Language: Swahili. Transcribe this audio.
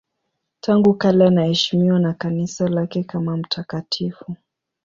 Tangu kale anaheshimiwa na Kanisa lake kama mtakatifu.